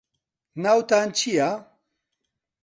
ناوتان چییە؟